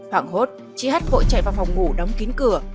hoảng hốt chị hát vội chạy vào phòng ngủ đóng kín cửa